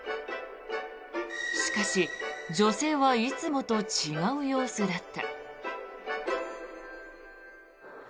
しかし、女性はいつもと違う様子だった。